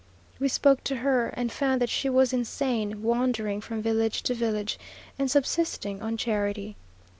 We spoke to her, and found that she was insane, wandering from village to village, and subsisting on charity.